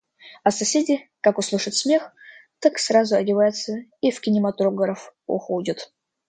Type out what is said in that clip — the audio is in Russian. А соседи, как услышат смех, так сразу одеваются и в кинематограф уходят.